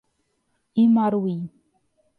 Imaruí